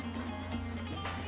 lila kini kebanjiran pesakit